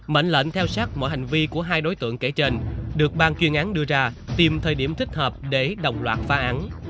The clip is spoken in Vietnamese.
mệnh lệnh theo sát mọi hành vi của hai đối tượng kể trên được ban chuyên án đưa ra tìm thời điểm thích hợp để đồng loạt phá án